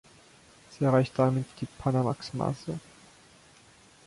Sie erreicht damit die Panamax-Maße.